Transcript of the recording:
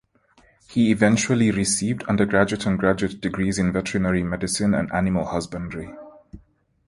He eventually received undergraduate and graduate degrees in veterinary medicine and animal husbandry.